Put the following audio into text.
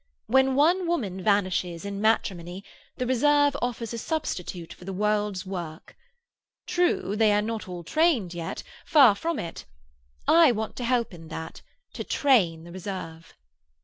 When one woman vanishes in matrimony, the reserve offers a substitute for the world's work. True, they are not all trained yet—far from it. I want to help in that—to train the reserve."